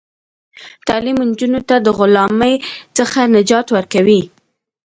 تعلیم نجونو ته د غلامۍ څخه نجات ورکوي.